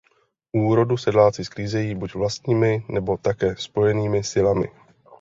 Úrodu sedláci sklízejí buď vlastními nebo také spojenými silami.